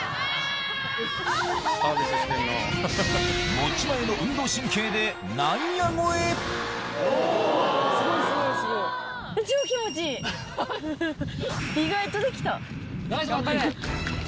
持ち前の運動神経で内野越え意外とできた。